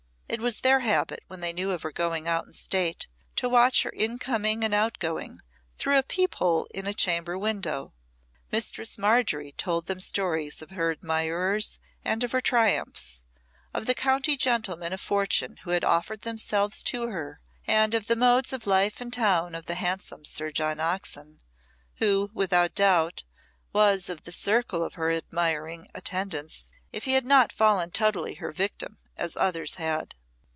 It was their habit, when they knew of her going out in state, to watch her incoming and outgoing through a peep hole in a chamber window. Mistress Margery told them stories of her admirers and of her triumphs, of the county gentlemen of fortune who had offered themselves to her, and of the modes of life in town of the handsome Sir John Oxon, who, without doubt, was of the circle of her admiring attendants, if he had not fallen totally her victim, as others had.